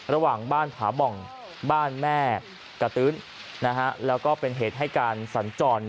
ระหว่างบ้านผาบ่องบ้านแม่กระตื้นแล้วก็เป็นเหตุให้การสัญจร